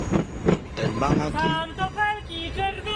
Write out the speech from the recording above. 電蠓仔機